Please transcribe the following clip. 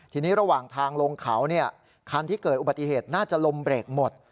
ทีนี้ระหว่างทางลงเขาคันที่เกิดอุบัติเหตุน่าจะลมเบรกหมด